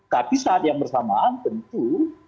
tapi saat yang bersamaan tentu